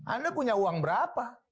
anda punya uang berapa